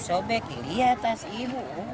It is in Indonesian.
disobek iya tas ibu